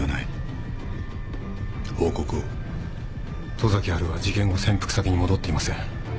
十崎波琉は事件後潜伏先に戻っていません。